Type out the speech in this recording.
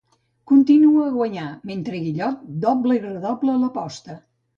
Continua a guanyar mentre Guillot dobla i redobla l'aposta.